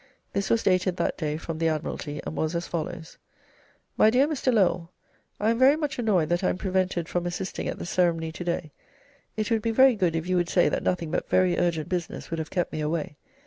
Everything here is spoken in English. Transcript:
This was dated that day from the Admiralty, and was as follows: "'My dear Mr. Lowell, "'I am very much annoyed that I am prevented from assisting at the ceremony to day. It would be very good if you would say that nothing but very urgent business would have kept me away.